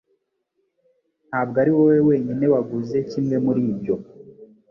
Ntabwo ari wowe wenyine waguze kimwe muri ibyo.